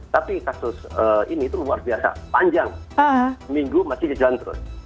tapi kasus ini itu luar biasa panjang minggu masih jalan terus